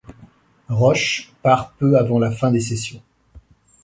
Roche part peu avant la fin des sessions.